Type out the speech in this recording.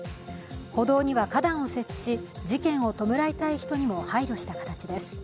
歩道には花壇を設置し、事件を弔いたい人にも配慮した形です。